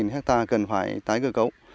ba hectare cần phải tái cơ cấu